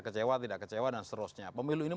kecewa tidak kecewa dan seterusnya pemilu ini